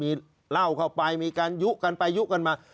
มีเหล้าเข้าไปมีการยุกันไปยุกันมา